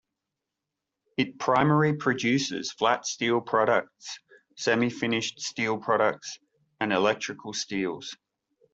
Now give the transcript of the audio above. It primary produces flat steel products, semi-finished steel products and electrical steels.